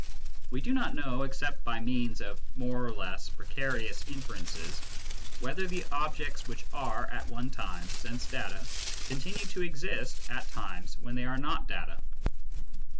We do not know, except by means of more or less precarious inferences, whether the objects which are at one time sense data continue to exist at times when they are not data.